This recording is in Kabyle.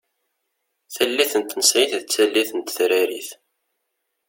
Tallit n tensayit d tallit n tetrarit.